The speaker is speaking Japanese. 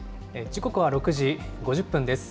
時刻は６時５０分です。